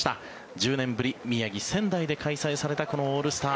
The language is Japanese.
１０年ぶり宮城・仙台で開催されたこのオールスター。